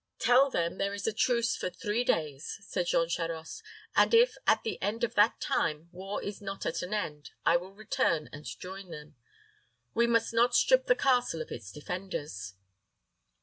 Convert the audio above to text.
"Tell them there is a truce for three days," said Jean Charost; "and if, at the end of that time, war is not at an end, I will return and join them. We must not strip the castle of its defenders."